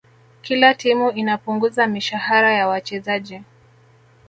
kila timu inapunguza mishahara ya wachezaji